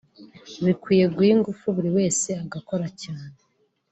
bikwiye guha ingufu buri wese agakora cyane